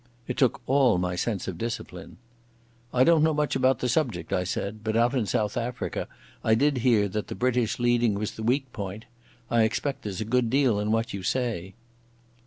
It took all my sense of discipline. "I don't know much about the subject," I said, "but out in South Africa I did hear that the British leading was the weak point. I expect there's a good deal in what you say."